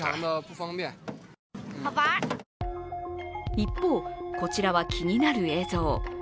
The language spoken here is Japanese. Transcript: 一方、こちらは気になる映像。